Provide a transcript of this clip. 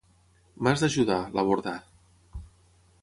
M'has d'ajudar —l'abordà—.